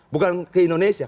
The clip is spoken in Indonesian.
bukan ke indonesia